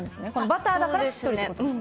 バターだからしっとりめ。